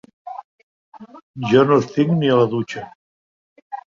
Jo no estic ni a la dutxa.